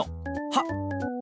はっ。